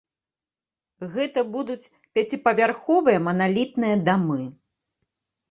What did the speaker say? Гэта будуць пяціпавярховыя маналітныя дамы.